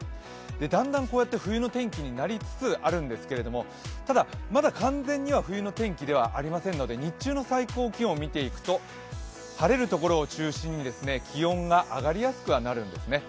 だんだん冬の天気になりつつあるんですけども、ただ、まだ完全には冬の天気ではありませんので、日中の最高気温を見ていくと、晴れる所を中心に気温が上がりやすくはなるんですね。